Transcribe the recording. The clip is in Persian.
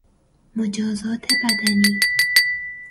مجازات بدنی